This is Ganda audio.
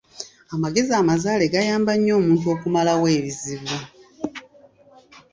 Amagezi amazaale gayamba nnyo omuntu okumalawo ebizibu.